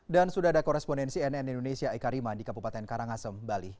sudah ada korespondensi nn indonesia eka rima di kabupaten karangasem bali